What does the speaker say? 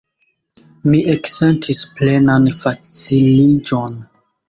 Mi eksentis plenan faciliĝon.